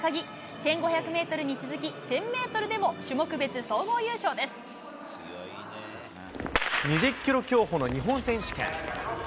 １５００メートルに続き、１０００メートルでも種目別総合２０キロ競歩の日本選手権。